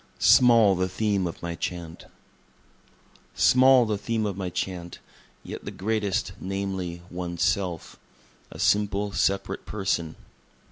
Small the Theme of My Chant Small the theme of my Chant, yet the greatest namely, One's Self a simple, separate person.